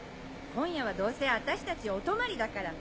今夜はどうせ私たちお泊まりだから。